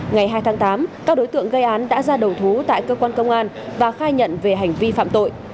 ngày hai tháng tám các đối tượng gây án đã ra đầu thú tại cơ quan công an và khai nhận về hành vi phạm tội